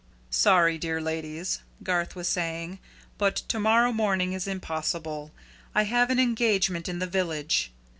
"Sorry, dear ladies," Garth was saying, "but to morrow morning is impossible. I have an engagement in the village.